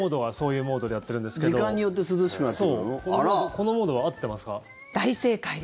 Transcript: このモードは合ってますか？